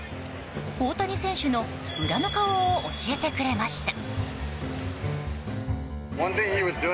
大谷選手の裏の顔を教えてくれました。